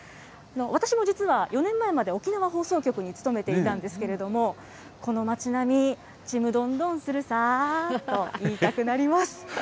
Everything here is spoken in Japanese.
私も実は、４年前まで沖縄放送局に勤めていたんですけれども、この街並み、ちむどんどんするさーと言いたくなります。